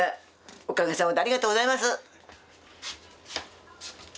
おかげさまでありがとうございます。